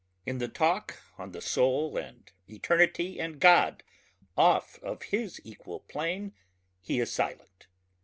In the talk on the soul and eternity and God off of his equal plane he is silent.